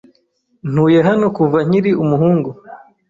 Ntuye hano kuva nkiri umuhungu.